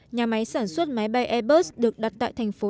nhà máy sản xuất máy bay airbus được đặt tại thành phố